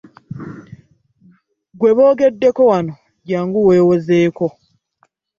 Gwe boogeddeko wano jangu weewozeeko.